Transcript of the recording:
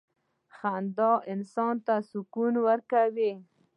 • خندا انسان ته سکون ورکوي.